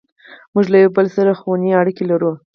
موږ له یو بل سره خوني اړیکې لرو.